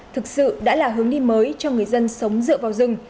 thực sự đã là hướng đi mới cho người dân sống dựa vào rừng